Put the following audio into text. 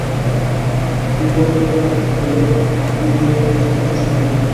বিপদের পথ হলে নিয়ে যেতুম সঙ্গে।